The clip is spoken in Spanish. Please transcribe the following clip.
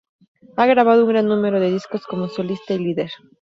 Ha grabado un gran número de discos como solista y líder.